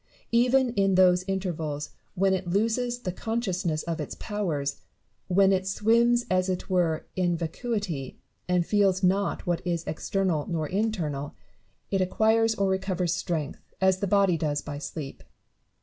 Even in those intervals when it loses the consciousness of its powers, when it swims as it were in vacuity, and feels not what is external nor internal, it acquires or recovers strength, as the body does 204 IMA GINAR V CONVERSA TIONS. by sleep.